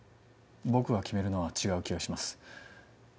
僕が決めるのは違う気がします。